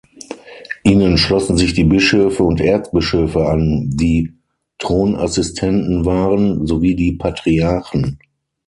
Ihnen schlossen sich die Bischöfe und Erzbischöfe an, die Thronassistenten waren, sowie die Patriarchen.